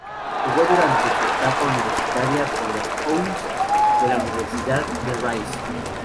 Jugó durante su etapa universitaria con los "Owls" de la Universidad de Rice.